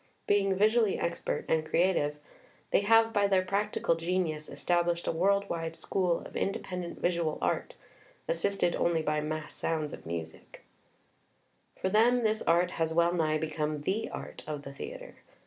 Being visu ally expert and creative, they have, by their practical genius, established a world wide school of independent visual art [assisted only by mass sounds of music]. For them this art has well nigh become the art of the theatre.